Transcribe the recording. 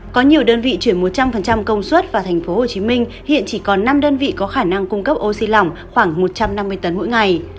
có nhiều đơn vị chuyển một trăm linh công suất vào tp hcm hiện chỉ còn năm đơn vị có khả năng cung cấp oxy lỏng khoảng một trăm năm mươi tấn mỗi ngày